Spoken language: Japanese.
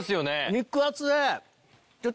肉厚で。